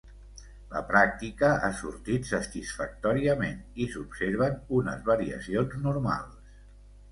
La pràctica ha sortit satisfactòriament i s'observen unes variacions normals.